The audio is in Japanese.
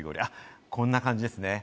こんな感じですね。